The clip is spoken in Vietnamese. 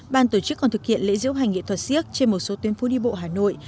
ban tổ chức còn thực hiện lễ diễu hành nghệ thuật siếc trên một số tuyến phố đi bộ hà nội